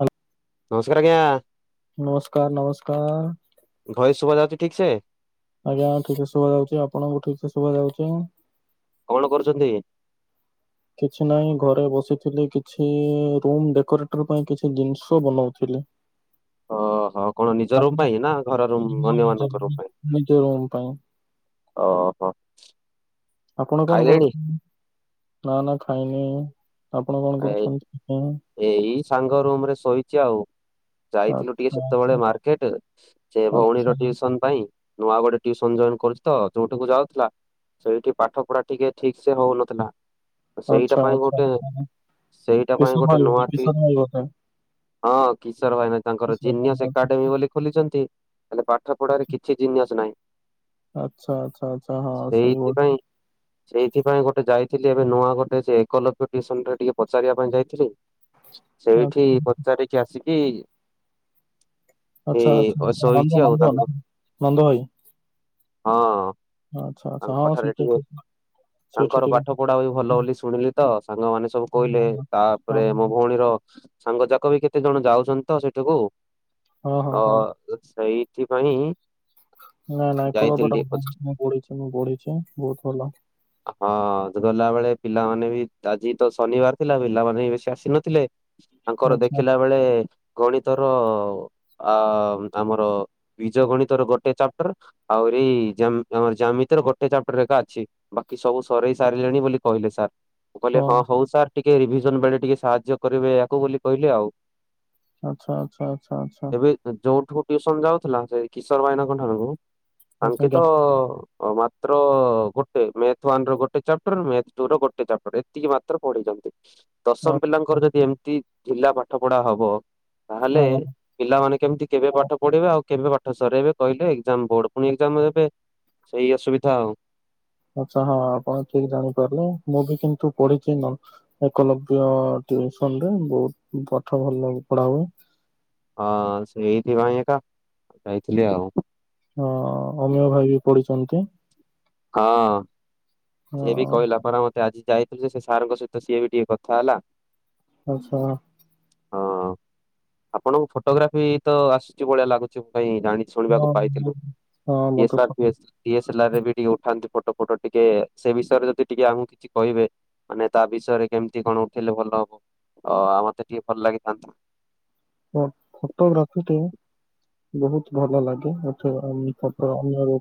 Hello ନମସ୍କାର ଆଜ୍ଞା। ନମସ୍କାର ନମସ୍କାର। ଭଏସ ଶୁଭା ଯାଉଚି ଠିକ୍ ସେ? ଆଜ୍ଞା ଠିକସେ ଶୁଭାଯାଉଚି ଆପଣଙ୍କୁ ଠିକସେ ଶୁଭାଯାଉଚି? କଣ କରୁଚନ୍ତି? କିଛି ନାହିଁ ଘରେ ବସିଥିଲି କିଛି ରୁମ ଡେକୋରେଟର ପାଇଁ କିଛି ଜିନିଷ ବନଉଥିଲି। ଓହୋ କଣ ନିଜ ରୁମ୍ ଆପଣ ପାଇଁ ନା ଘର ରୁମ ଅନ୍ୟମାନଙ୍କ ରୁମ ପାଇଁ? ନିଜ ରୁମ୍ ପାଇଁ ଓହୋ। ଆପଣ କଣ ଖାଇଲେଣି? କରୁଥା ନା ନା ଖାଇନି। ଆପଣ କଣ ଆଇ ଆଇ କରୁଛନ୍ତି? ଏ ଏଇ ସାଙ୍ଗ ରୁମ ରେ ଶୋଇଚି ଆଉ। ଯାଇଥିଲୁ ଟିକେ ଆଚ୍ଛା ଆଚ୍ଛା ସେତେବେଳେ ମାର୍କେଟ ସେ ଆଚ୍ଛା ଭଉଣୀର ଟିଉସନ ପାଇଁ ନୂଆ ଗୋଟେ ଟିଉସନ କରୁଛି ତ ଯୋଉଠିକୁ ଯାଉଥିଲା ସେଇଠି ପାଠ ପଢା ଟିକେ ଠିକ ସେ ହଉନଥିଲା। ସେଇଟା ଆଚ୍ଛା ପାଇଁ ଆଚ୍ଛା ଗୋଟେ ଆଚ୍ଛା। ସେଇଟା ପାଇଁ କିଶୋର ଗୋଟେ ଭାଇ ନୂଆ ଟି କିଶୋର ଭାଇ ବୋଧେ ହଁ କିଶୋର ଭାଇନା ତାଙ୍କର କିଶୋର ଭାଇ ଜିନିସ ଆଚ୍ଛା ଏକାଡେମୀ ଆଚ୍ଛା। ବୋଲି ଖୋଲିଛନ୍ତି। ହେଲେ ପାଠ ପଢାରେ କିଛି ଜିନିୟ ଆଚ୍ଛା ଆଚ୍ଛା ଆଚ୍ଛା ହଁ ସେଇ ସେଇଥିପାଇଁ ସେଇଥିପାଇଁ ଗୋଟେ ଯାଇ ଥିଲି ଏବେ ନୂଆ ଗୋଟେ ସେଏ ଏକ ଲକ୍ଷ ଟିଉସନରେ ଟିକେ ପଚାରିବା ପାଇଁ ଯାଇଥିଲି। ସେଇଠି ଆଚ୍ଛା ପଚାରିକି ଆସିକି ଏ ଆଚ୍ଛା ଆଚ୍ଛା ନନ୍ଦ ଶୋଇଛି ଆଉ ନନ୍ଦ ତାଙ୍କ ନନ୍ଦ ଭାଇ। ହଁ ତାଙ୍କ ଠାରେ ଟି ତାଙ୍କର ପାଠ ପଢା ବି ଭଲ ବୋଲି ଶୁଣିଲି ତ ସାଙ୍ଗମାନେ ସବୁ କହିଲେ ହଁ ତାପରେ ମୋ ଭଉଣୀର ସାଙ୍ଗ ଯାକ ବି କେତେ ଜଣ ଯାଉଛନ୍ତି ତ ସେଇଠାକୁ ହଁ ସେଇଥିପାଇଁ ଯାଇଥିଲି ଟିକେ ପଚା [unintelligible] ହଁ ଗଲାବେଳେ ପିଲାମାନେ ଆଜି ତ ଶନିବାର ଥିଲା ପିଲାମାନେ ବେଶୀ ଆସିନଥିଲେ ତାଙ୍କର ଆଚ୍ଛା ଦେଖିଲା ବେଳେ ଗଣିତର ଆ ଆମର ବୀଜ ଗଣିତର ଗୋଟେ ଚାପ୍ଟର ଆଉ ଏଇ ଆମର ଜାମିିତିର ଗୋଟେ ଚାପ୍ଟର ଏକା ଅଛି ବାକି ସବୁ ସରେେଇ ସାରିଲେଣି ବୋଲି କହିଲେ ସାର୍। ମୁଁ କହିଲି ହଁ ହଉ ସାର୍ ଟିକେ ରିଭିଜନ ବେଳେ ଟିକେ ସାହାଯ୍ୟ କରିବେ ୟାକୁ ବୋଲି କହିଲେ ଆଉ। ଆଚ୍ଛା ଆଚ୍ଛା ଆଚ୍ଛା ଆଚ୍ଛା ଏବେ ଯୋଉଠୁ ଟିଉସନ ଯାଉ ଥିଲା ସେ କିଶୋର ଭାଇନାଙ୍କ ଠାରୁ ଆଚ୍ଛା ତାଙ୍କେ ତ ଗା- ମାତ୍ର ଗୋଟେ ଥ ୱାନ ର ଗୋଟେ ଚାପଟର ମ୍ୟାଥ୍ ଟୁ ର ଗୋଟେ ଚାପ୍ଟର ଏତିକି ମାତ୍ର ପଢିଛନ୍ତି। ଦଶମ ଆ- ପିଲାଙ୍କର ଯଦି ଏମିତି ଢ଼ିଲା ପାଠ ପଢା ହବ ତାହେଲେ ହଁ ପିଲାମାନେ କେମିତି କେବେ ପାଠ ପଢିବେ ଆଉ କେବେ ପାଠ ସରାଇବେ କହିଲେ ଏକ୍ଜାମ ବୋର୍ଡ ପୁଣି ଏକ୍ଜାମ ଦେବେ ସେଇ ଅସୁବିଧା ଆଉ। ଆଚ୍ଛା ହଁ ଆପଣ ଠିକ ଜାଣିପାରିଲେ ମୁଁ ବି କିନ୍ତୁ ପଢିଛି ଏକଲବ୍ୟ ଟିଉସନ ରେ ବହୁତ ପାଠ ଭଲ ପଢା ହୁଏ। ହଁ ସେଇଥିପାଇଁ ଏକା ଯାଇଥିଲି ଆଉ। ହଁ ଅମିୟ ଭାଇ ବି ପଢିଛନ୍ତି। ହଁ ଅ, ସେ ବି କହିଲା ପରା ମତେ ଆଜି। ଯାଇଥିଲୁ ଯେ ସେ ସାରଙ୍କ ସହିତ ସିଏ ବି ଟିକେ କଥା ହେଲା। ଆଚ୍ଛା। ହଁ ଆପଣଙ୍କୁ ଫଟୋଗ୍ରାଫି ତ ଆସୁଛି ଭଳିଆ ଲାଗୁଛି ମୋ କାଇଁ ଜାଣି ହଁ ଶୁଣିବାକୁ ପାଇଥିଲୁ। ହଁ, ମତେ [unintelligible] ଟିକେ ଉଠାନ୍ତି ଫଟୋ ଫଟୋ ଟିକେ ସେ ବିଷୟରେ ଯଦି ଟିକେ ଆମକୁ କିଛି କହିବେ ମାନେ ତା ବିଷୟରେ କେମିତି କଣ ଉଠିଲେ ଭଲ ହବ ମତେ ଟିକେ ଭଲ ଲାଗିଥାନ୍ତା। ଫୋ ଫୋଟୋଗ୍ରାଫି ଟେ ବହୁତ ଭଲ ଲାଗେ ଏଠି ଅନ୍ୟ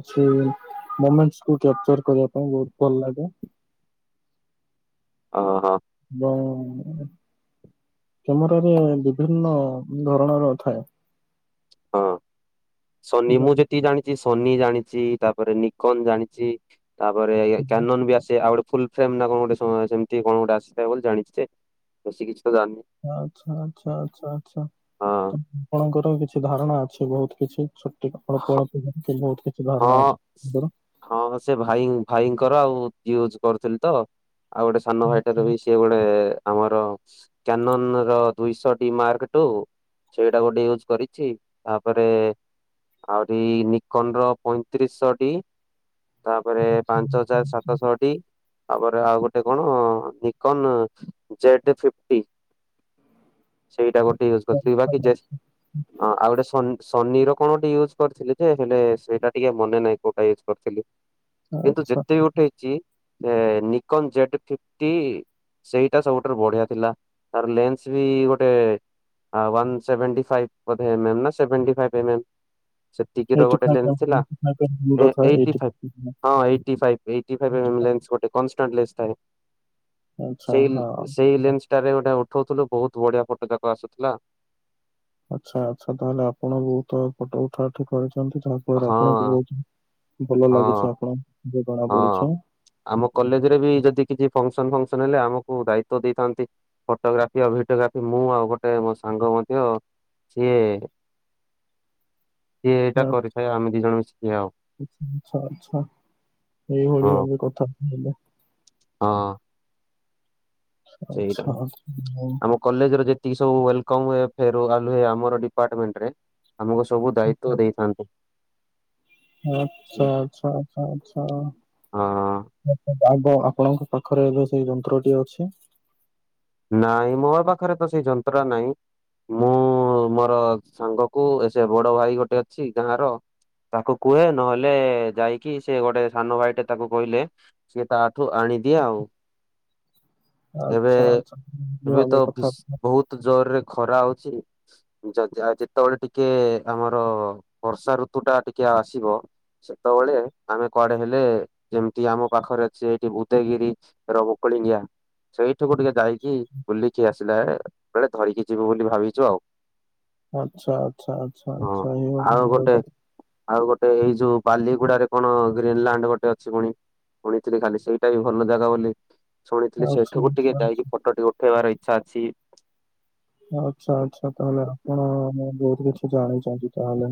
କିଛି ମୁମେଣ୍ଟସକୁ ଉଠେଇବା ପାଇଁ। କରିବା ପାଇଁ ବହୁତ ଭଲ ଲାଗେ। [inaudible] ହଁ ହଁ। କ୍ୟାମେରାରେ ବିଭିନ୍ନ ଧରଣର ଥାଏ। ହଁ ସୋନି ମୁଁ ଯେତିକି ଜାଣିଛି ସୋନି ଜାଣିଛି ତାପରେ ନିକନ ଜାଣିଛି ତାପରେ କାନନ ବି ଆସେ ଆଉ ଗୋଟେ ଫୁଲ ଫ୍ରେମ ନା କଣ ଗୋଟେ ସେମିତି କଣ ଗୋଟେ ଆସିଥାଏ ବୋଲି ଜାଣିଛି ଯେ ତ ଜାଣିନି ଆଚ୍ଛା ଆଚ୍ଛା ଆଚ୍ଛା ଆଚ୍ଛା ଆପଣଙ୍କର କିଛି ଧାରଣା ଅଛି ବହୁତ କିଛି ଛୋ କ ହଁ। ବହୁତ କିଛି ଧାରଣା ହଁ ଅଛି। ଆପଣଙ୍କର? ହଁ ସେ ଭାଇ ଭାଇଙ୍କର ଆଉ ୟୁଜ କରୁଥିଲି ତ ଆଉ ଗୋଟେ ସାନ ଭାଇଟ ର ବି ସିଏ ଗୋଟେ ଆମର କ୍ୟାନନ ର ଦୁଇଶହ ଟି ମାର୍କ ଟୁ ସେଇଟା ଗୋଟେ ୟୁଜ କରିଛି ତାପରେ ଆହୁରି ନିକନ ର ପଇଁତିରିଶଶ ଟି ତାପରେ ପାଞ୍ଚ ହଜାର ସାତଶହଟି ତାପରେ ଆଉ ଗୋଟେ କଣ ନିକନ ଜେଡ ଫିଫଟି ସେଇଟା ଗୋଟେ ୟୁଜ କରିଥିଲ ଆଚ୍ଛା ବାକି ଜେଟ୍ ଆଉ ଗୋଟେ ସୋନି ସୋନିର କଣ ଗୋଟେ ୟୁଜ୍ କରିଥିଲି ଯେ ହେଲେ ସେଇଟା ଟିକେ ମନେ ନାହିଁ କୋଉଟା ୟୁଜ୍ କରିଥିଲି। ଆଚ୍ଛା କିନ୍ତୁ ଆଚ୍ଛା ଯେତେ ଉଠେଇଛି ଏ ନିକନ ଜେଡ ଫଫଟି ସେଇଟା ସବୁଠାରୁ ବଢିଆ ଥିଲା ତାର ଲେନ୍ସ ବି ଗୋଟେ ଅ ୱାନ ସେଭଣ୍ଟି ଫାଇବ୍ ବୋଧେ ଏମ୍ ଏମ୍ ନା ମ ସେଭେନଟି ଫାଇବ୍ ଏମ୍ ଏମ୍। ସେତିକି ର ଏଇଟି ଗୋଟେ ଫାଇଭ୍ ଲେନ୍ସ ଥିଲା। ଏଇଟି ଫାଇଭ୍ ଏ ମୁଣ୍ଡ ଥାଏ ଏଇଣ୍ଟି ଏଇଟି ଫାଇବ ହଁ eighty five eighty five M lens constant lens ଗୋଟେ ଥାଏ ଆଚ୍ଛା ହଁ ସେଇ ସେଇ ଲେନ୍ସ ଟାରେ ଗୋଟେ ଉଠ ଉଠଉଥିଲୁ ବହୁତ ବଢିଆ ଫଟୋ ଯାକ ଆସୁଥିଲା। ଆଚ୍ଛା ଆଛା ତାହେଲେ ଆପଣ ବହୁତ ଫଟୋ ଉଠା ଉଠୁ କରିଛ ଯାହାଫଳରେ ହଁ ଆପଣଙ୍କୁ ବହୁତ ଭଲ ହଁ ଲାଗୁଛି ଆପଣ ହଁ ଆମ କଲେଜରେ ବି ଯଦି କିଛି ଫଙ୍କସନ ଫଙ୍କସନ ହେଲେ ଆମ କୁ ଦାଇତ୍ୱ ଦେଇଥାନ୍ତି ଫଟୋଗ୍ରାଫି ଆଉ ଭିଡିଓ ଗ୍ରାଫି ମୁଁ ଆଉ ଗୋଟେ ମୋ ସାଙ୍ଗ ମଧ୍ୟ ସିଏ ସିଏ ଏଇଟା କରିଥାଏ ଆମେ ଦି ଜଣ ମିଶିକି ଆଉ। ଏଇ ଭଳି ହଁ ଭାବେ କଥା ତାହେଲେ। ହଁ। ସେଇଟା ଆଚ୍ଛା ଆଚ୍ଛା। ଆମ କଲେଜ ର ଯେତିକି ସବୁ ୱଏଲ୍ କମ ହୁଏ ଫେରୱାଲୁ ହୁଏଆମର ଡିପାର୍ଟମେଣ୍ଟ ରେ ଆମକୁ ସବୁ ଦାୟିତ୍ଵ ଦେଇଥାନ୍ତି। ଆଚ୍ଛା ହଁ ଆଚ୍ଛା ଆଚ୍ଛା ଆଛା। ଆବ ଆପଣଙ୍କ ପାଖରେ ଏବେ ସେଇ ଯନ୍ତ୍ରଟି ଅଛି ନାଇଁ ମୋ ପାଖରେ ତ ସେଇ ଯନ୍ତ୍ରା ନାହିଁ। ମୁଁ ମୋର ସାଙ୍ଗ କୁ ଏସ ବଡ ଭାଇ ଗୋଟେ ଅଛି ଗାଁ ର ତାକୁ କୁହେ ନହେଲେ ଯାଇକି ସେ ଗୋଟେ ସାନ ଭାଇଟେ ତାକୁ କହିଲେ ସିଏ ତାଠୁ ଆଣି କି ଦିଏ ଆଉ। ଏବେ ଆଚ୍ଛା ଆଚ୍ଛା। ଏଇଭଳି ଏବେ ତ ଭାବେ କଥା ଅଫିସ ବହୁତ ଜ [unintelligible] ଖରା ହଉଛି ଯା ଯା ଯେତେବେଳେ ଟିକେ ଆମର ବର୍ଷା ଋତୁ ଟା ଟିକେ ଆସିବ ସେତେବେଳେ ଆମେ କୁଆଡେ ହେଲେ ଯେମିତି ଆମ ପାଖରେ ଅଛି ଏଇଠି ବୂଦଗିରି ରବ- ସେଇଠୁ ଗୋଟେ ଦାରି ଗିଆ ବୁଲିକି ଆସିଲା ବେଳେ ବେଳେ ଧରିକି ଯିବୁ ବୋଲି ଭାବିଛୁ ଆଉ। ଆଚ୍ଛା ଆଚ୍ଛା ଆଛା ହଁ। ଆଛା। ଆଉ ଗୋଟେ ଆଉ ଗୋଟେ ଏଇ ଯୋଉ ପାଲିଗୁଡାରେ କଣ ଗ୍ରୀନଲ୍ୟାଣ୍ଡ ଗୋଟେ ଅଛି ପୁଣି। ଶୁଣିଥିଲି ଖାଲି ସେଇଟା ବି ଭଲ ଜାଗା ବୋଲି ଶୁଣିଥିଲି ଆଚ୍ଛା ସେଠାକୁ ଟିକେ ଯାଇକି ଆଚ୍ଛା। ଫଟୋ ଟିକେ ଉଠେଇବାର ଇଚ୍ଛା ଅଛି। ଆଚ୍ଛା ଆଚ୍ଛା ତାହେଲେ ଆପଣ ବହୁତ କିଛି ଜାଣିଛନ୍ତି ତାହେଲେ।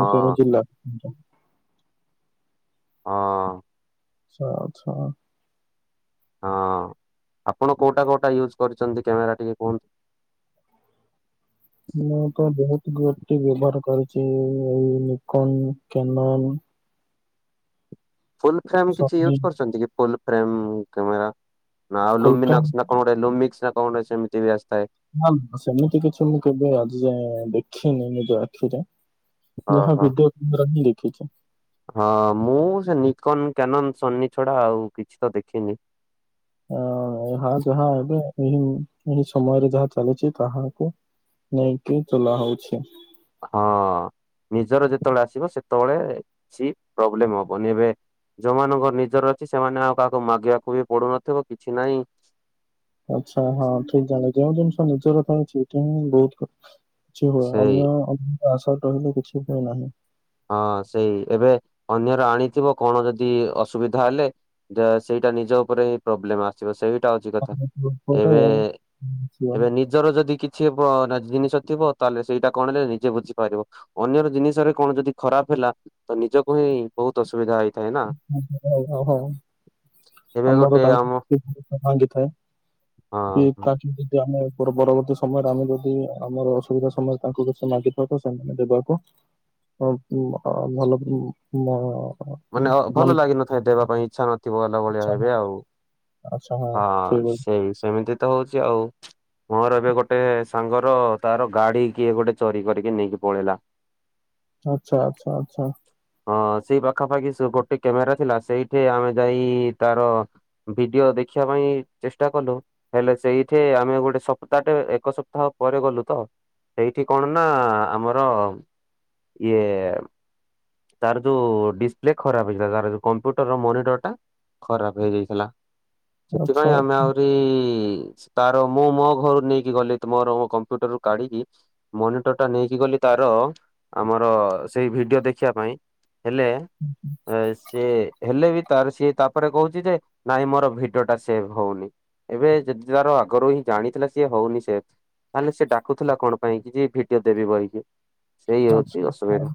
ହଁ ଜିଲ୍ଲା। ହଁ। ଆଚ୍ଛା ଆଚ୍ଛା। ହଁ ଆପଣ କୋଉଟା କୋଉଟା ୟୁଜ୍ କରିଛନ୍ତି କ୍ୟାମେରା ଟିକେ କୁହନ୍ତୁ। [inaudible] ମୁଁ ତ ବହୁତ ଗୋଟି ବ୍ୟବହାର କରିଛି ଏଇିକନ କ୍ୟାନନ୍ ଫୁଲ୍ ଫ୍ରେମ୍ କିଛି ସନି ୟୁଜ୍ କରୁଛନ୍ତି କି ଫୁଲ୍ ଫ୍ରେମ୍ କ୍ୟାମେରା। ଆଉ ଫୁଲଫ୍ରେମ୍। ଲୋମିନସ ନା କଣ ଗୋଟେ ଲୋମିକ୍ସି ନା କଣ ସେମିତି ଆସି ନା ସେମିତି କିଛି ମୁଁ କେବେ ଆଜି ଯାଏଁ ଦେଖିନି ନିଜ ଆଖିରେ। ହଁ ଯାହା ହଁ। ଭିଡିଓ କ୍ୟାମେରା ହିଁ ଦେଖିଛି। ହଁ ମୁଁ ସେ ନିକନ କ୍ୟାନନ୍ ସୋନି ଛଡା ଆଉ କିଛି ତ ଦେଖିନି। ଆ ଏହା ଯାହା ଏବେ ଏହି ଏହି ସମୟରେ ଯାହା ଚାଲିଛି ତାହାକୁ। ନେଇକି ଚଲା ହଉଛି। ହଁ ନିଜର ଯେତେବେଳେ ଆସିବ ସେତେବେଳେ କିଛି ପ୍ରୋବ୍ଲେମ ହବନି ଏବେ। ଯୋଉମାନଙ୍କର ନିଜର ଅଛି ସେମାନେ ଆଉ କାହାକୁ ମାଗିବାକୁ ବି ପଡୁନଥିବ କିଛି ନାହିଁ ଆଛା ହଁ ଠିକ ଜାଣେ ଯେଉଁ ଜିନିଷ ନିଜର ଉଛି ସେଠି ହିଁ ବହୁତ। କିଛି ହୁଏ ସେଇ ଅନ୍ୟ ଆସାରେ ରହିଲେ କିଛି ହୁଏ ନାହିଁ। ହଁ ସେଇ ଏବେ ଅନ୍ୟର ଆଣିଥିବ କଣ ଯଦି ଅସୁବିଧା ହେଲେ ସେଇଟା ନିଜ ଉପରେ ହିଁ ପ୍ରୋବ୍ଲେମ ଆସିବ ସେଇ ଟା ହଉଛି କଥା ପରେ ଏବେ ଏବେ ନିଜର ଯଦି କିଛି [unintelligible] ଜିନିଷ ଥିବ ତାହେଲେ ସେଇଟା କଣ ହେଲେ ନିଜେ ବୁଝିପାରିବ ଅନ୍ୟର ଜିନିଷରେ କଣ ଯଦି ଖରାପ ହେଲା ତ ନିଜକୁ ହିଁ ବହୁତ ଅସୁବିଧା ହେଇ ହ ହ ହ [inaudible] ଏବେ ଆମର ଗୋଟେ ଆମ ତାଙ୍କ ଭାଙ୍ଗିଥାଏ କି ହଁ ତାଠ ଯଦି ଆମେ ପରବର୍ତ୍ତୀ ସମୟରେ ଆମେ ଯଦି ଆମର ଅସୁବିଧା ସମୟରେ ତାଙ୍କୁ କି ମାଗିିବା ତ ସେମାନେ ଦେବାକୁ ହ ଭଲ [unintelligible] ମାନେ ମନ ଭଲ ଲାଗିନଥାଏ ଦେବା ପାଇଁ ଇଚ୍ଛା ନଥିବ ଅଲ ଭଳିଆ ହେବେ ଆଉ ଆଚ୍ଛା ହଁ ସେଇଭଳି ସେଇ ସେମିତି ତ ହଉଛି ଆଉ ମୋର ଏବେ ଗୋଟେ ସାଙ୍ଗର ତାର ଗାଡି କିଏ ଗୋଟେ ଚୋରି କରିକି ନେଇକି ପଳେଇଲା [inaudible] ଆଚ୍ଛା ଆଚ୍ଛା ଆଚ୍ଛା ହଁ ସେଇ ପାଖାପାଖି ଗୋଟେ କ୍ୟାମେରା ଥିଲା ସେଇଠି ଆମେ ଯାଇ ତାର ଭିଡିଓ ଦେଖ। ଶଖିବା ପାଇଁ ଚେଷ୍ଟା କଲୁ ହେଲେ ସେଇଠି ଆମେ ଗୋଟେ ସପ୍ତାହଟେ ଏକ ସପ୍ତାହ ପରେ ଗଲୁ ତ ସେଇଠି କଣ ନା ଆମର ଇଏ ତାର ଯୋଉ ଡିସପ୍ଲେ ଖରାପ ହେଇଥିଲା ତାର ଯୋଉ କମ୍ପ୍ୟୁଟର ର ମନିଟର ଟା ଖରାପ ହେଇଯାଇଥିଲା ଆଚ୍ଛା ସେଥିପାଇଁ ଆମେ ଆଚ୍ଛା ଆହୁରି ତାର ମୁଁ ମୋ ଘରୁ ନେଇକି ଗଲି ମୋର କମ୍ପ୍ୟୁଟର ରୁ କାଢିକି ମନିଟର ଟା ନେଇକି ଗଲି ତାର ଆମର ସେଇ ଭିଡିଓ ଦେଖ୍ ଖିବା ପାଇଁ ହେଲେ ସେ ହେଲେ ବି ତାର ସିଏ ତାପରେ କହୁଛି ଯେ ନାଇଁ ମୋର ଭିଡିଓ ଟା ସେଭ୍ ହଉନି। ଏବେ ଯଦି ତାର ଆଗରୁ ହିଁ ଜାଣିଥିଲା ସିଏ ହଉନି ସେବ୍ ତାହେଲେ ସେ ଡାକୁଥିଲା କଣ ପାଇଁ କି ଯ ଭିଡିଓ ଦେବି ବହିକି ସେଇ ଆଚ୍ଛା ହଉଛି ଅସୁବିଧା।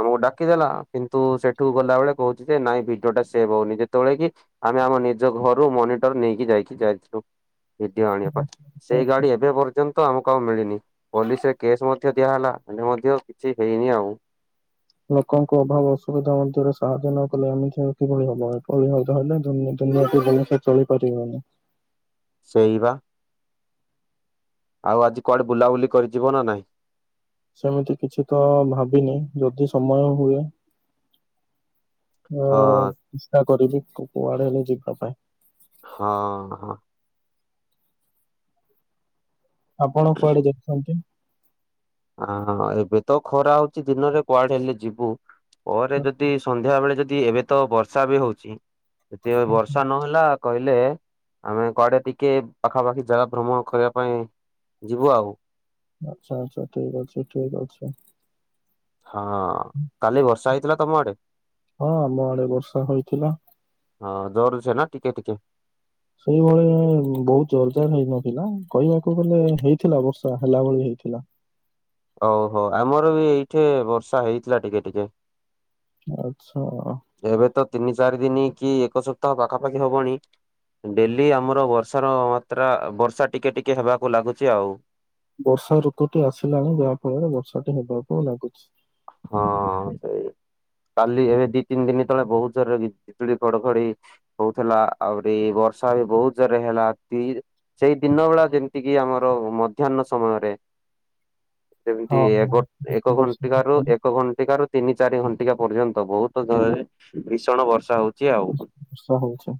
ଆମକୁ ଡାକିଦେଲା କିନ୍ତୁ ସେଠୁ ଗଲା ବଳେ କହୁଛି ଯେ ନାଇଁ ଭିଡିଓ ଟା ସେଭ ହଉନି ଯେତେବେଳେ କି ଆମେ ଆମ ନିଜ ଘରୁ ମନିଟର ନେଇକି ଯାଇକି ଯାଇଥିଲୁ। ଭିଡିଓ ଆଣିବା ପାଇଁ ସେଇ ଗାଡି ଏବେ ପର୍ଯ୍ୟନ୍ତ, ଆମକୁ ଆଉ ମିଳିନି ପୋଲିସରେ କେସ୍ ଦିଆହଲା ଏ ମଧ୍ୟ କିଛି ହେଇନି ଆଉ। ଲୋକଙ୍କ ଅଭାବ ଅସୁବିଧା ମଧ୍ୟରେ ସାହାଯ୍ୟ ନ, କଲେ ଏମିତି ହେ କିଭଳି ହବ ହବହଲେ ଦୁନୀତି ହାତି ଭଲସ ଚଳିପାରିବନି [unintelligible] ସେଇବା ଆଉ ଆଜି କୁଆଡେ ବୁଲାବୁଲି କରିଯିବ ନା ନାଇଁ ସେମିତି କିଛି ତ ଭାବିନି ଯଦି ସମୟ ହୁଏ। ଅ ହଁ ଚେଷ୍ଟା କରିବି କୁଆଡେଲେ ଯିବା ପାଇଁ। ହଁ ହଁ। ଆପଣ କୁଆଡେ ଯାଉଛନ୍ତି। ହ ଏବେ ତ ଖରା ହଉଛି ଦିନରେ କୁଆଡେ ହେଲେ ଯିବୁ ପରେ ଯଦି ସନ୍ଧ୍ୟା ବେଳେ, ଯଦିଏବେ ତ ବର୍ଷା ବି ହଉଛି ଯଦି ବର୍ଷା ନହେଲା କହିଲେ ଆମେ କୁଆଡେ ଟିକେ ପାଖାପାଖି ଜାଗା ଭ୍ରମଣ କରିବା ପାଇଁ ଯିବୁ ଆଉ। ଆଛା ଆଛା ଠିକ ଅଛି ଠିକ ଅଛି। ହଁ ଅଁ କାଲି ବର୍ଷା ହେଇଥିଲା ତମ ଆଡେ? ହଁ ଆମ ଆଡେ ବର୍ଷା ହୋଇଥିଲା। ହଁ ଜୋର ହଉଛି ନା କିକେ ଟିକେ? ସେଇଭଳିଆ ବହୁତ ଜୋରଜର ହେଇନଥିଲା, କହିବାକୁ ଗଲେ ହେଇଥିଲା ବର୍ଷା ହେଲା ଭଳି ହେଇଥିଲା। ଓ ହୋ, ଆମର ବି ଏଇଠି ବର୍ଷା ହେଇଥିଲା, ଟିକେ ଟିକେ। ଆଚ୍ଛା, ଆଃ। ଏବେ ତ ତିନି ଚାରି ଦିନ କି ଏକ ସପ୍ତାହ ପାଖାପାଖି ହବଣି। ଡେଲି ଆମର ବର୍ଷାର ମାତ୍ରା ବର୍ଷା ଟିକେ ଟିକେ ହେବାକୁ ଲାଗୁଛି ଆଉ। ବର୍ଷା ଋତୁଟି ଆସିଲାଣି। ଯାହା ଫଳରେ ବର୍ଷାଟି ହେବାକୁ ଲାଗୁଛି। ହଁ ସେଇ। କାଲି ଏବେ ଦି ତିନି ଦିନ ତଳେ ବହୁତ ଜୋରେ ବି ଜ୍ ବିଜୁଳି ଘଡ଼ ଘଡ଼ି ହଉଥିଲା, ଆଉରି ଵ ସରି ବହୁତ ଜୋର ରେ ହେଲା ଦି ସେଇ ଦିନ ବେଳା ଯେମିତି କିି ଆମର ମଧ୍ୟାନ ସମୟରେ। ସେମିତି ହଁ ଏକ୍ ବର୍ଷା ଏକଘଣ୍ଟିକା ରୁ ଏକ ଘଣ୍ଟିକା ରୁ ତିନି ଚାରି ଘଣ୍ଟିକା ପର୍ଯ୍ୟନ୍ତ ବହୁତ୍ ୟ-ୟ-ୟ ଭୀଷଣ ବର୍ଷା ହଉ ବର୍ଷା ହୋଉଛି।